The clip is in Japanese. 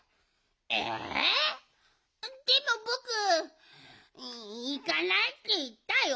えでもぼくいかないっていったよ。